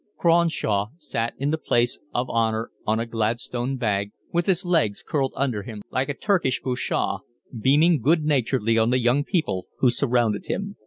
Cronshaw sat in the place of honour on a Gladstone bag, with his legs curled under him like a Turkish bashaw, beaming good naturedly on the young people who surrounded him.